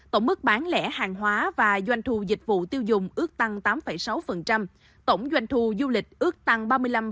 tổng mức bán lẻ hàng hóa và doanh thu dịch vụ tiêu dùng ước tăng tám sáu tổng doanh thu du lịch ước tăng ba mươi năm